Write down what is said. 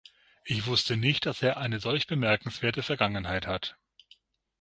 Ich wusste nicht, dass er eine solch bemerkenswerte Vergangenheit hat.